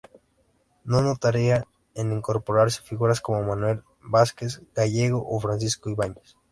No tardarían en incorporarse figuras como Manuel Vázquez Gallego o Francisco Ibáñez.